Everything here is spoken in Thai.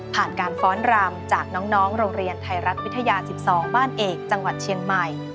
ผ่านการฟ้อนรำจากน้องโรงเรียนไทยรัฐวิทยา๑๒บ้านเอกจังหวัดเชียงใหม่